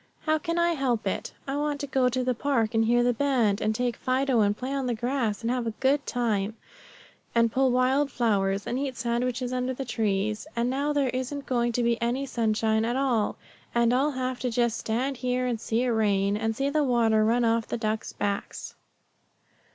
"How can I help it? I wanted to go to the park and hear the band, and take Fido and play on the grass, and have a good time, and pull wild flowers, and eat sandwiches under the trees; and now there isn't going to be any sunshine at all, and I'll have to just stand here and see it rain, and see the water run off the ducks' backs."